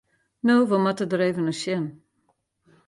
No, we moatte der even nei sjen.